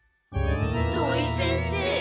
土井先生？